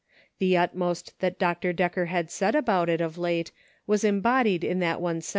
The utmost that Dr. Decker had said about it of late was embodied in that one sen 296 HOME.